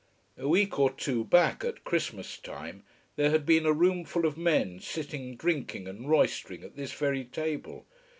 A week or two back, at Christmas time, there had been a roomful of men sitting drinking and roistering at this very table.